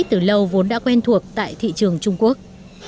từ lâu vốn đã quen thuộc tại thị trường trung quốc